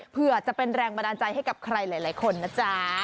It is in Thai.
เพื่อจะเป็นแรงบันดาลใจให้กับใครหลายคนนะจ๊ะ